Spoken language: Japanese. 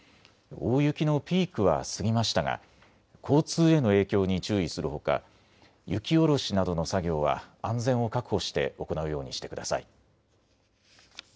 大雪のピークは過ぎましたが交通への影響に注意するほか、雪下ろしなどの作業は安全を確保して行うようにしてください。